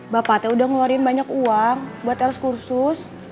bapak teh udah ngeluarin banyak uang buat eros kursus